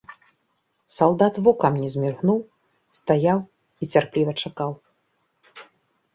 Салдат вокам не зміргнуў, стаяў і цярпліва чакаў.